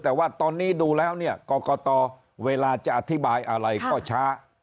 แต่ว่าตอนนี้ดูแล้วเนี่ยกรกตเวลาจะอธิบายอะไรก็ช้า